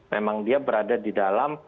memang dia berada di dalam